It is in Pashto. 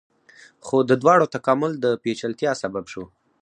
خو د دواړو تکامل د پیچلتیا سبب شو.